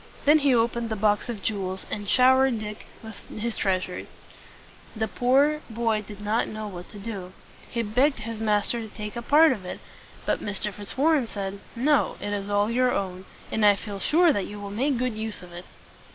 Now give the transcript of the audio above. Then he opened the box of jewels, and showed Dick his treasures. The poor boy did not know what to do. He begged his master to take a part of it; but Mr. Fitzwarren said, "No, it is all your own; and I feel sure that you will make good use of it."